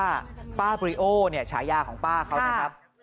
การที่ว่าป้าปุริโอเนี่ยฉายาของป้าเขานะครับ